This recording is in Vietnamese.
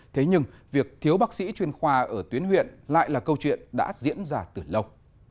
thế nhưng việc thiếu bác sĩ chuyên khoa ở tuyến huyện lại là câu chuyện đã diễn ra từ lâu